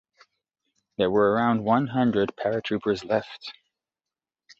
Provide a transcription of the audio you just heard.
There were around one hundred paratroopers left.